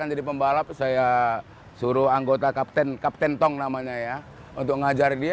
saya jadi pembalap saya suruh anggota kapten tong namanya ya untuk ngajar dia